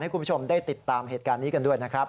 คุณผู้ชมได้ติดตามเหตุการณ์นี้กันด้วยนะครับ